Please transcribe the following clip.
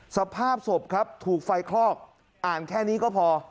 สภาพศพครับถูกไฟคลอกอ่านแค่นี้ก็พอ